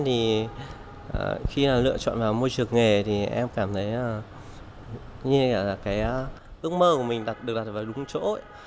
đối với em thì khi lựa chọn vào môi trường nghề thì em cảm thấy như là cái ước mơ của mình được đặt vào đúng chỗ